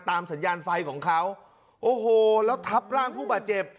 สัญญาณไฟของเขาโอ้โหแล้วทับร่างผู้บาดเจ็บ